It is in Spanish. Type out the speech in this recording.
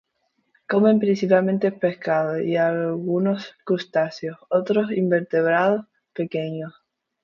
Comen principalmente peces, y algunos crustáceos y otros invertebrados pequeños.